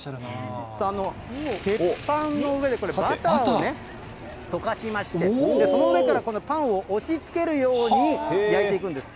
鉄板の上でバターを溶かしまして、その上からこのパンを押しつけるように焼いていくんです。